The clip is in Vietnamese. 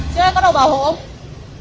chưa có đồ bảo hộ không